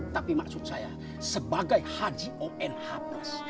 tapi maksud saya sebagai haji onh plus